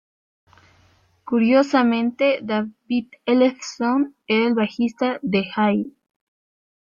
Curiosamente, David Ellefson era el bajista de Hail!